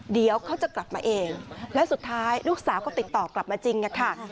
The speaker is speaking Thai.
เดี๋ยวเขาจะกลับมาเองและสุดท้ายลูกสาวก็ติดต่อกลับมาจริงค่ะ